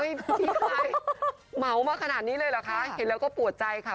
ผี้ฮายเหมามาถนี้เลยละคะเห็นแล้วก็ปวดใจค่ะ